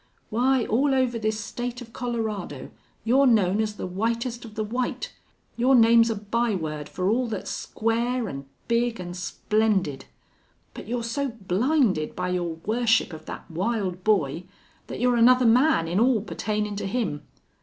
Why, all over this state of Colorado you're known as the whitest of the white. Your name's a byword for all that's square an' big an' splendid. But you're so blinded by your worship of that wild boy that you're another man in all pertainin' to him.